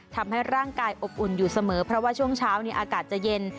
ทำให้ร่างกายอบอุ่นอยู่เสมอเพราะว่าช่วงเช้าอากาศจะเย็น